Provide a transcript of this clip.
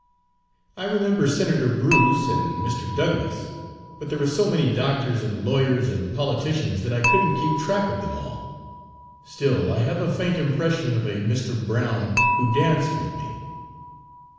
I remember Senator Bruce, and Mr. Douglass; but there were so many doctors and lawyers and politicians that I could n't keep track of them all. Still I have a faint impression of a Mr. Brown who danced with me."